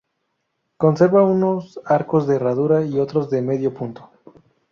Conserva unos arcos de herradura y otros de medio punto.